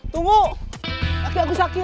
tunggu lagi aku sakit